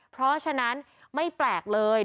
เพราะฉะนั้นไม่แปลกเลย